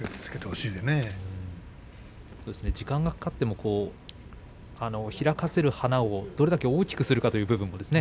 そうですね時間がかかっても開かせる花をどれだけ大きくするかという部分ですね。